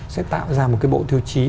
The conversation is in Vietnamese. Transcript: sẽ tạo ra một cái bộ tiêu chí